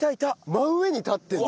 真上に立ってるの。